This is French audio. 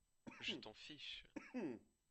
Je t’en fiche !